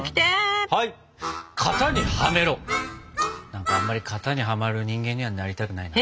何かあんまり型にはまる人間にはなりたくないな。